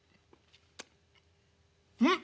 「うん！